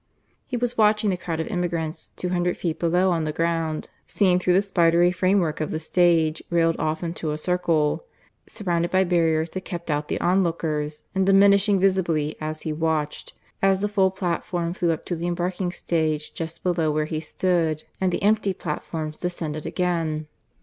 He was watching the crowd of emigrants, two hundred feet below on the ground, seen through the spidery framework of the stage, railed off into a circle, surrounded by barriers that kept out the onlookers, and diminishing visibly as he watched, as the full platform flew up to the embarking stage just below where he stood and the empty platforms descended again.